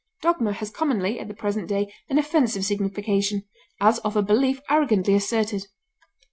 Dogma has commonly, at the present day, an offensive signification, as of a belief arrogantly asserted.